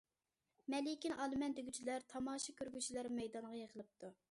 مەلىكىنى ئالىمەن دېگۈچىلەر، تاماشا كۆرگۈچىلەر مەيدانغا يىغىلىپتۇ.